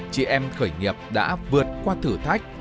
chị em khởi nghiệp đã vượt qua thử thách